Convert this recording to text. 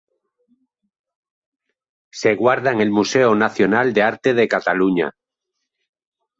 Se guarda en el Museo Nacional de Arte de Cataluña.